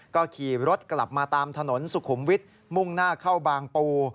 ก็ขี่รถกลับมาตามถนนสุขุมวิทย์มุ่งหน้าเข้าบางปู